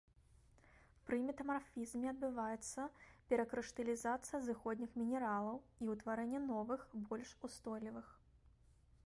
Пры метамарфізме адбываецца перакрышталізацыя зыходных мінералаў і ўтварэнне новых, больш устойлівых.